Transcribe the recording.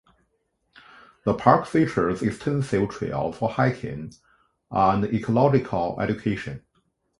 The park features extensive trails for hiking and ecological education.